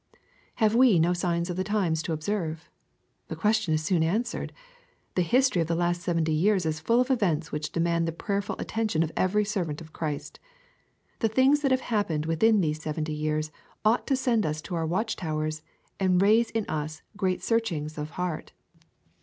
Have we no signs of the times to observe ? The question is soon answered. The history of the last seventy years is full of events which demand the prayerful attention of every servant of Christ. The things that have happened within these seventy years ought to send us to our watch towers, and raise in us great searchings of heart.